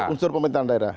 unsur pemerintahan daerah